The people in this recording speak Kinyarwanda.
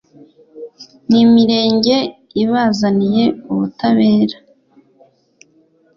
n'imirenge ibazanire ubutabera